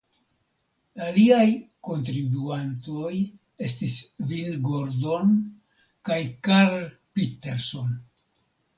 Aliaj kontribuantoj estis Vin Gordon kaj Karl Pitterson.